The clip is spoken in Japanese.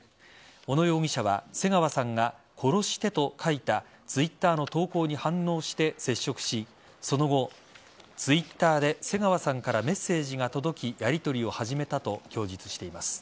小野容疑者は瀬川さんが殺してと書いたＴｗｉｔｔｅｒの投稿に反応して接触しその後Ｔｗｉｔｔｅｒで瀬川さんからメッセージが届きやりとりを始めたと供述しています。